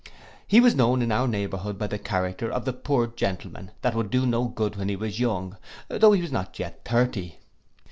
He was known in our neighbourhood by the character of the poor Gentleman that would do no good when he was young, though he was not yet thirty.